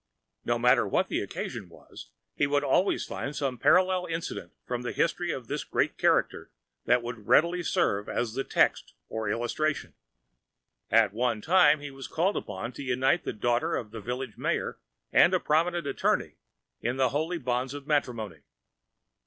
No matter what the occasion was, he would always find some parallel incident from the history of this great character that would readily serve as a text or illustration. At one time he was called upon to unite the daughter of the village mayor and a prominent attorney in the holy bonds of matrimony.